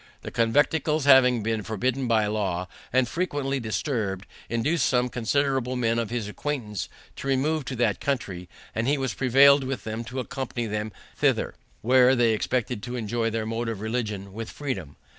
The conventicles having been forbidden by law, and frequently disturbed, induced some considerable men of his acquaintance to remove to that country, and he was prevailed with to accompany them thither, where they expected to enjoy their mode of religion with freedom.